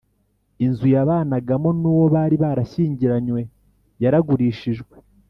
inzu yabanagamo n’ uwo bari barashyingiranywe yaragurishijwe